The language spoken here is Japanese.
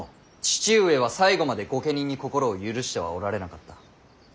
父上は最後まで御家人に心を許してはおられなかった。